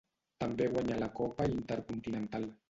També guanyà la copa Intercontinental.